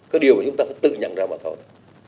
cái điều mà chúng ta phải tự nhận ra mà thôi